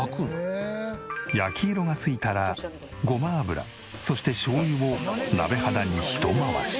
焼き色が付いたらごま油そしてしょうゆを鍋肌にひと回し。